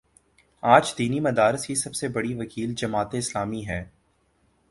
آج دینی مدارس کی سب سے بڑی وکیل جماعت اسلامی ہے۔